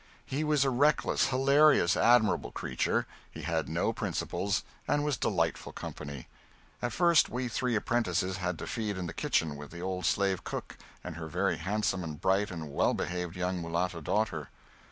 He was a reckless, hilarious, admirable creature; he had no principles, and was delightful company. At first we three apprentices had to feed in the kitchen with the old slave cook and her very handsome and bright and well behaved young mulatto daughter.